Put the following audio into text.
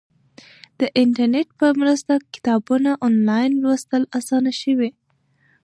د انټرنیټ په مرسته کتابونه آنلاین لوستل اسانه شوي.